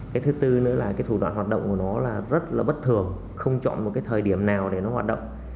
cái thứ tư nữa là cái thủ đoạn hoạt động của nó là rất là bất thường không chọn một cái thời điểm nào để nó hoạt động